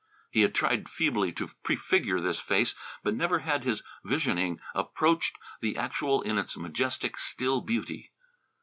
He had tried feebly to prefigure this face, but never had his visioning approached the actual in its majestic, still beauty.